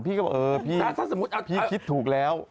พี่ก็บอกพี่คิดถูกแล้ว